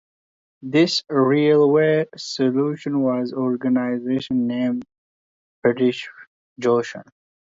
This railway station was originally named Bishopstoke Junction.